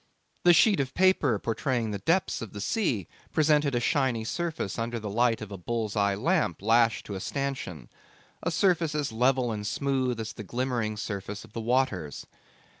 The sheet of paper portraying the depths of the sea presented a shiny surface under the light of a bull's eye lamp lashed to a stanchion, a surface as level and smooth as the glimmering surface of the waters.